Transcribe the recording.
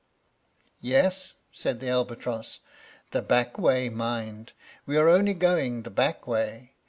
"Yes," said the albatross; "the back way, mind; we are only going the back way.